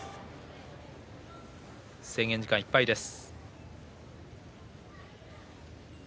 制限時間いっぱいです。